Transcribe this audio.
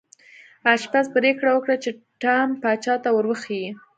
آشپز پریکړه وکړه چې ټام پاچا ته ور وښيي.